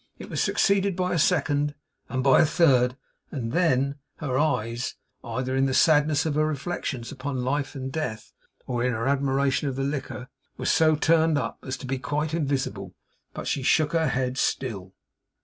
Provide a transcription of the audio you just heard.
It was succeeded by a second, and by a third, and then her eyes either in the sadness of her reflections upon life and death, or in her admiration of the liquor were so turned up, as to be quite invisible. But she shook her head still.